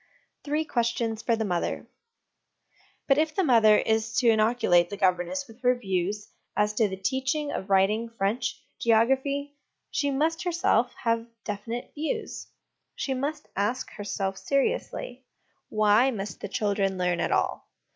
Three Questions for the Mother. But if the mother is to inoculate the governess with her views as to the teaching of writing, French, geography, she must, herself, have definite views. She must ask herself seriously, Why must the children learn at all?